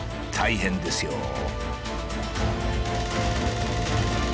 大変ですよ。